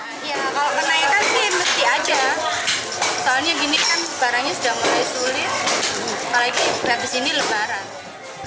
barangnya sudah mulai sulit apalagi habis ini lebaran